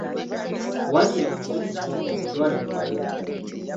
Waakiri omusekuzo ogwo gutwale mu banno.